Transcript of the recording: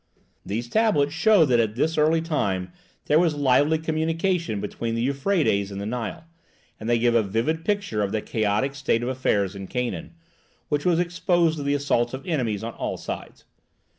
These tablets show that at this early time there was lively communication between the Euphrates and the Nile, and they give a vivid picture of the chaotic state of affairs in Canaan, which was exposed to the assaults of enemies on all sides.